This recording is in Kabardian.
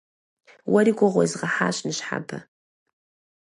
Уэри гугъу уезгъэхьащ ныщхьэбэ.